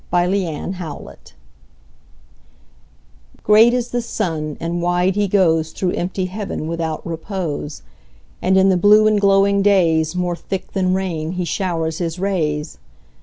Summer Sun GREAT is the sun, and wide he goesThrough empty heaven without repose; And in the blue and glowing daysMore thick than rain he showers his rays.